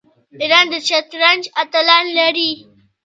ایران د شطرنج اتلان لري.